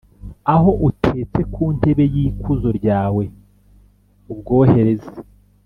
aho utetse ku ntebe y’ikuzo ryawe, ubwohereze,